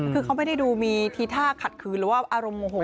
คือเขาไม่ได้ดูมีทีท่าขัดขืนหรือว่าอารมณ์โมโห